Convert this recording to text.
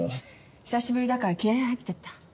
久しぶりだから気合入っちゃった。